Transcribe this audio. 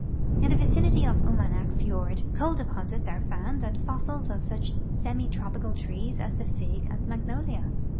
In the vicinity of Umanak fiord coal deposits arcjfound and fossils of such semi tropical trees as the fig and magnolia.